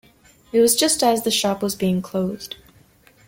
It was just as the shop was being closed.